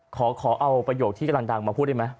ขอเอาประโยคที่กำลังดังมาพูดได้ไหม